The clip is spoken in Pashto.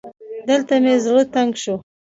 دلته مې زړه تنګ شو